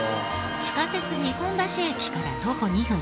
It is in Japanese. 地下鉄日本橋駅から徒歩２分